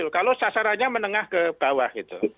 kalau sasarannya menengah ke bawah gitu